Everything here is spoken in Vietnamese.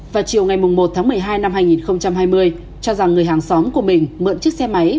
vào chiều ngày một tháng một mươi hai năm hai nghìn hai mươi cho rằng người hàng xóm của mình mượn chiếc xe máy